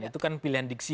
itu kan pilihan diksi